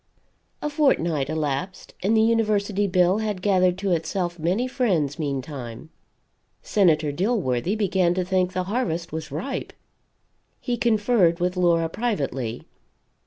A fortnight elapsed, and the University bill had gathered to itself many friends, meantime. Senator Dilworthy began to think the harvest was ripe. He conferred with Laura privately.